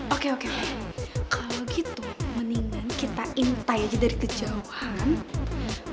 oke oke kalau gitu mendingan kita intai aja dari kejauhan